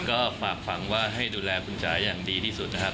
ก็ฝากฝังว่าให้ดูแลคุณจ๋าอย่างดีที่สุดนะครับ